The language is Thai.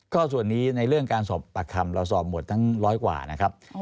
ก็ส่วนนี้ในเรื่องการสอบปากคำเราสอบหมดทั้งร้อยกว่านะครับ